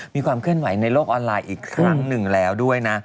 มีความเคลื่อนไหวในโลกออนไลน์อีกครั้งหนึ่งแล้วด้วยนะ